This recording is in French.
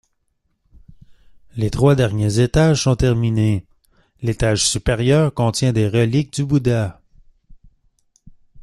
Les trois derniers étages sont terminés, l'étage supérieur contient des reliques du Bouddha.